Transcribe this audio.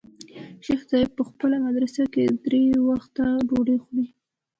شيخ صاحب په خپله مدرسه کښې درې وخته ډوډۍ وركوي.